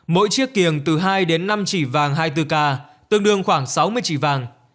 mỗi chiếc kiềng từ hai đến năm chỉ vàng hai mươi bốn k tương đương khoảng sáu mươi chỉ vàng